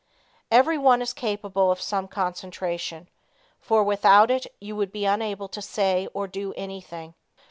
Everyone is capable of some concentration, for without it you would be unable to say or do anything.